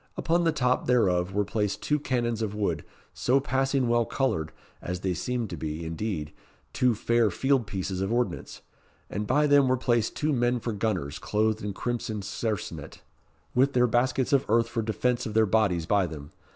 Upon the top thereof were placed two cannons of wood, so passing well coloured, as they seemed to be, indeed, two fair field pieces of ordnance; and by them were placed two men for gunners, clothed in crimson sarcenet, with their baskets of earth for defence of their bodies by them.